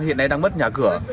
hiện nay đang mất nhà cửa